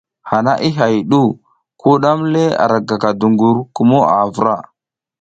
Hana i hay ɗu, ki wuɗam le, ara gaka duƞgur kumo a vra.